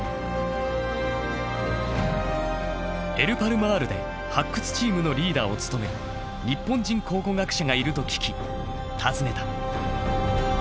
エル・パルマールで発掘チームのリーダーを務める日本人考古学者がいると聞き訪ねた。